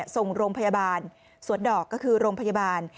ส่งโรงพยาบาลสวนดอกก็คือโรงพยาบาล